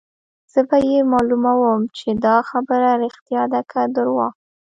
زه به يې معلوموم چې دا خبره ريښتیا ده که درواغ.